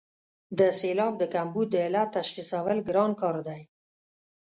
د سېلاب د کمبود د علت تشخیصول ګران کار دی.